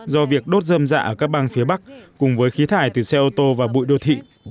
do việc đốt dơm dạ ở các bang phía bắc cùng với khí thải từ xe ô tô và bụi đô thị